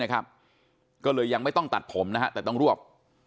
ก็เลยยังไม่ต้องตัดผมนะฮะแต่ต้องรวบ